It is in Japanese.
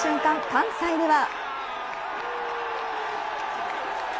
関西では。